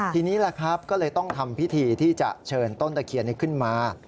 ทีนี้แหละครับก็เลยต้องทำพิธีที่จะเชิญต้นตะเคียนนี้ขึ้นมา